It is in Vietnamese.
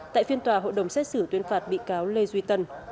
tại phiên tòa hội đồng xét xử tuyên phạt bị cáo lê duy tân